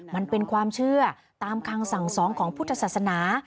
มันเป็นความเชื่อตามคำสั่งสองของพุทธศาสนา